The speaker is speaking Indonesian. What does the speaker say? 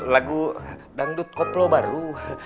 lagu dangdut koplo baru